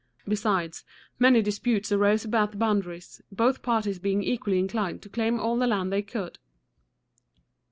Besides, many disputes arose about the boundaries, both parties being equally inclined to claim all the land they could.